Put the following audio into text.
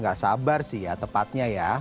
gak sabar sih ya tepatnya ya